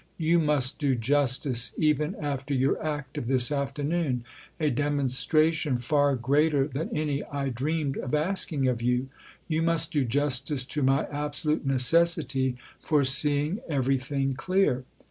You must do justice, even after your act of this afternoon a demonstration far greater than any I dreamed of asking of you you must do justice to my absolute necessity for seeing everything clear.